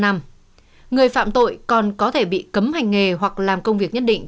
người phạm tội còn có thể bị cấm hành nghề hoặc làm công việc nhất định